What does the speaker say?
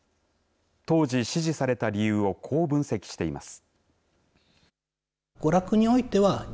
当時、支持された理由をこう分析しています。